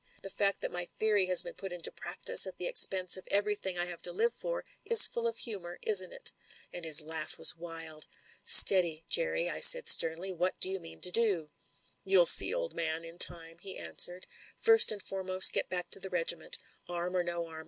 The fact that my theory has been put into practice, at the expense of everything I have to live for, is full of humour, isn't it?" And his laugh was wild. "Steady, Jerry," I said sternly. "What do you mean to do?" "You'll see, old man, in time," he answered. "First and foremost, get back to the regiment, arm or no arm.